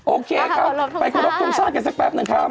โอเคครับไปครบทรงชาติกันสักแป๊บหนึ่งครับ